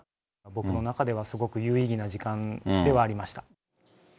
僕の中では、すごく有意義な時間ではありました。